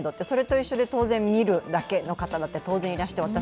それと一緒で当然、見るだけの方もいらして。